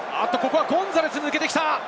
ゴンザレスが抜けてきた！